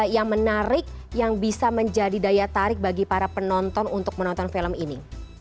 yang menarik yang bisa menjadi daya tarik bagi para penonton untuk menonton film ini